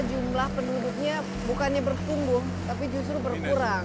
jumlah penduduknya bukannya bertumbuh tapi justru berkurang